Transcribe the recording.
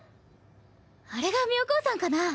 あれが妙高山かな？